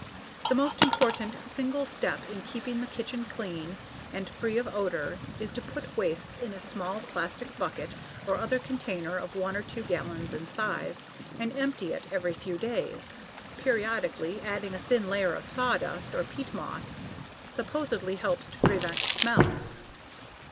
The most important single step in keeping the kitchen clean and free of odor is to put wastes in a small plastic bucket or other container of one to two gallons in size, and empty it every few days. Periodically adding a thin layer of sawdust or peat moss supposedly helps to prevent smells.